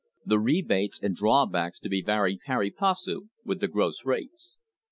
The rebates and draw backs to be varied pari passu with the gross rates."